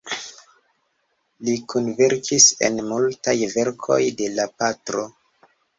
Li kunverkis en multaj verkoj de la patro.